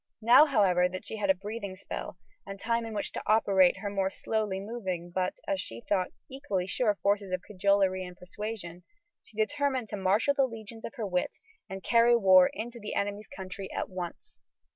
Now, however, that she had a breathing spell, and time in which to operate her more slowly moving, but, as she thought, equally sure forces of cajolery and persuasion, she determined to marshal the legions of her wit and carry war into the enemy's country at once.